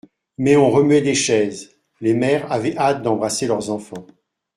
Mais on remuait des chaises ; les mères avaient hâte d'embrasser leurs enfants.